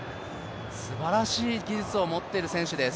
すばらしい技術を持っている選手です。